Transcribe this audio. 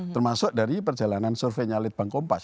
termasuk dari perjalanan survei nyalit bang kompas